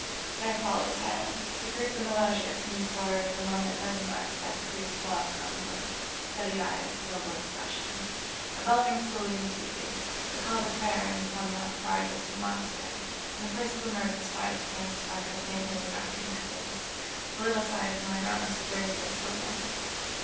There followed a silence. The group in the loggia seemed for the moment mesmerised by the priest's suave calm voice, steady eyes and noble expression, A bell rang slowly and sweetly a call to prayer in some not far distant monastery, and the first glimmer of the stars began to sparkle faintly in the darkening heavens. A little sigh from Morgana stirred the stillness.